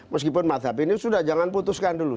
meskipun mazhab ini sudah jangan putuskan dulu